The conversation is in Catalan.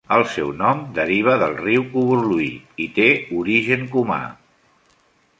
El seu nom deriva del riu Covurlui i té origen cumà.